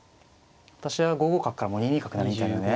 私は５五角からもう２二角成みたいなね